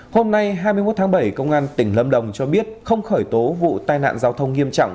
hôm nay hai mươi một tháng bảy công an tỉnh lâm đồng cho biết không khởi tố vụ tai nạn giao thông nghiêm trọng